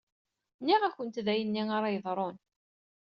Nniɣ-akent d ayenni ara yeḍṛun.